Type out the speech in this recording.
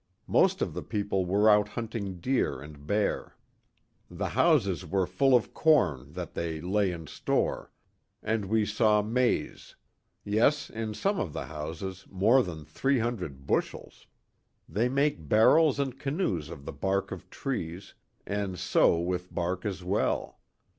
Most of the people were out hunting deer and bear. The houses were full of corn that they lay in store, and we saw maize; yes, in some of the houses, more than three hundred bushels. They make barrels and canoes of the bark of trees, and sew with bark as well.